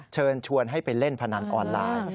เชิญชวนให้ไปเล่นพนันออนไลน์